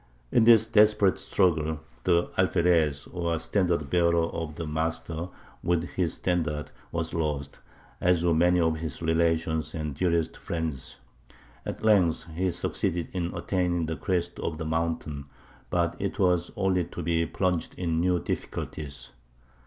In this desperate struggle the Alferez, or standard bearer of the Master, with his standard was lost, as were many of his relations and dearest friends. At length he succeeded in attaining the crest of the mountain; but it was only to be plunged in new difficulties.